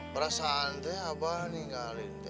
perasaan teh abah ninggalin